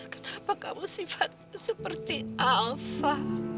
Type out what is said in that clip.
kenapa kamu sifat seperti alpha